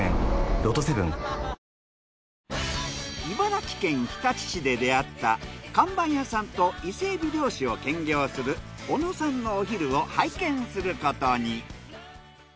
茨城県日立市で出会った看板屋さんと伊勢海老漁師を兼業する小野さんのお昼を拝見することに。